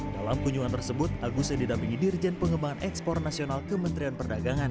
dalam kunjungan tersebut agus sedidak mengidirjen pengembangan ekspor nasional kementerian perdagangan